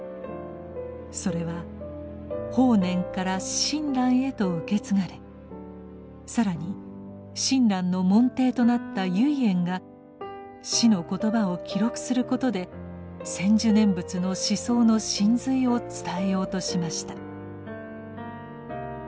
それは法然から親鸞へと受け継がれ更に親鸞の門弟となった唯円が師の言葉を記録することで「専修念仏」の思想の神髄を伝えようとしました。